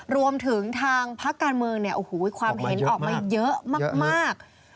รวมถึงทางภาคการเมืองความเห็นออกมาเยอะมาก